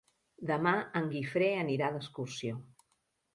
Demà en Guifré anirà d'excursió.